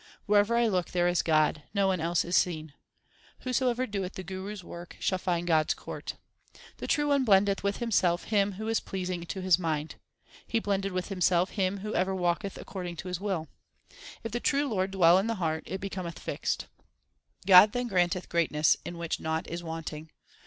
Wherever I look there is God ; no one else is seen. Whosoever doeth the Guru s work shall find God s court. The True One blendeth with Himself him who is pleasing to His mind ; He blendeth with Himself him who ever walketh accord ing to His will. If the true Lord dwell in the heart, it becometh fixed. God then granteth greatness in which naught is wanting.